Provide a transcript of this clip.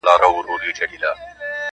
• د کافي پیالې ته ناست دی په ژړا دی -